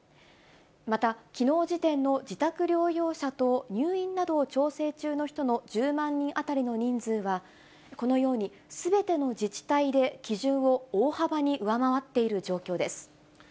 また、きのう時点の自宅療養者と入院などを調整中の人の１０万人当たりの人数は、このようにすべての自治体で基準を大幅に上回っている状況です。